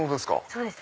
そうです。